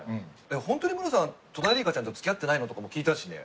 「ホントにムロさん戸田恵梨香ちゃんと付き合ってないの？」とかも聞いたしね。